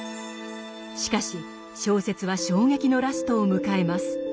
しかし小説は衝撃のラストを迎えます。